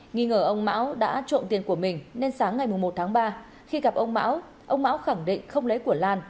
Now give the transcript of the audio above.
nghi ngờ ông mão đã trộm tiền của mình nên sáng ngày một tháng ba khi gặp ông mão ông mão khẳng định không lấy của lan